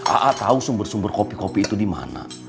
aa tahu sumber sumber kopi kopi itu di mana